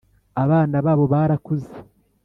abana babo barakuze